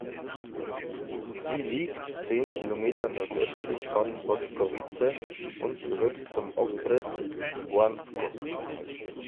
Sie liegt zehn Kilometer nordöstlich von Boskovice und gehört zum Okres Blansko.